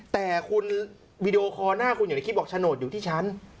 แต่คุณวีดีโอคอร์หน้าคุณอยู่ในคลิปบอกโฉนดอยู่ที่ชั้น